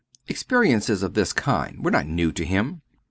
Experiences of this kind were not new to him.